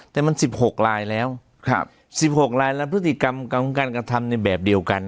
แต่มัน๑๖ลายแล้ว๑๖ลายแล้วพฤติกรรมของการกระทำในแบบเดียวกัน